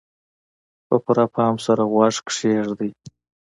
په پوره پام سره غوږ کېږدئ.